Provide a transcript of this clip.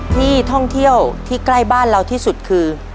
ที่ท่องเที่ยวที่ใกล้บ้านเราที่สุดคือ